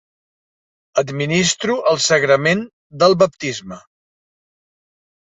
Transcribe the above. Administro el sagrament del baptisme.